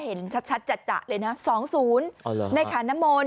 เห็นชัดเลยนะ๒๐